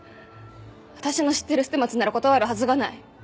私の知ってる捨松なら断るはずがない。